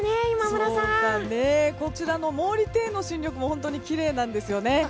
そうだねこちらの毛利庭園の新緑も本当にきれいなんですよね。